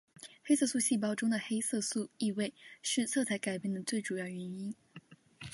黑色素细胞中的黑色素易位是色彩改变的最主要原因。